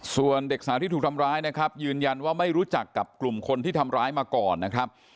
ส่วนเด็กสาวที่ถูกทำร้ายนะครับยืนยันว่าไม่รู้จักกับกลุ่มคนที่ทำร้ายมาก่อนนะครับ